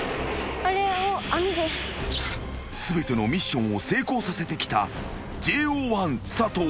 ［全てのミッションを成功させてきたＪＯ１佐藤］